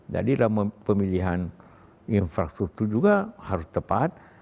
jadi pemilihan infrastruktur itu juga harus tepat